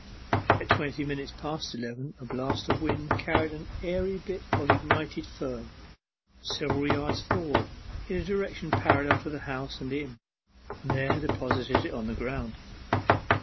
At twenty minutes past eleven a blast of wind carried an airy bit of ignited fern several yards forward, in a direction parallel to the houses and inn, and there deposited it on the ground.